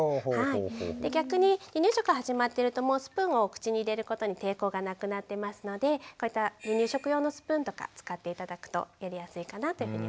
逆に離乳食が始まってるともうスプーンを口に入れることに抵抗がなくなってますのでこういった離乳食用のスプーンとか使って頂くとやりやすいかなというふうに思います。